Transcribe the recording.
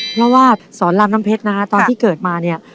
เพราะว่าสอนรามน้ำเพชรนะฮะตอนที่เกิดมาเนี่ย